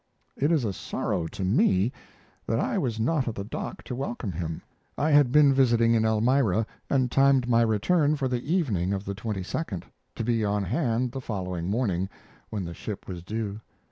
It is a sorrow to me that I was not at the dock to welcome him. I had been visiting in Elmira, and timed my return for the evening of the a 2d, to be on hand the following morning, when the ship was due.